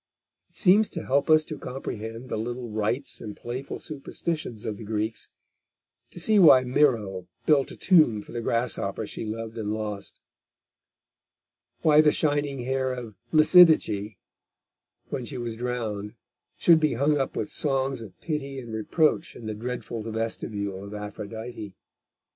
It seems to help us to comprehend the little rites and playful superstitions of the Greeks; to see why Myro built a tomb for the grasshopper she loved and lost; why the shining hair of Lysidice, when she was drowned, should be hung up with songs of pity and reproach in the dreadful vestibule of Aphrodite.